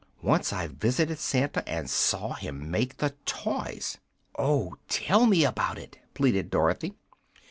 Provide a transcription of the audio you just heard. Once I visited Santa, and saw him make the toys." "Oh, tell me about it!" pleaded Dorothy.